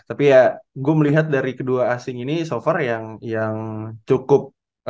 tapi ya gue melihat dari kedua asing ini so far yang cukup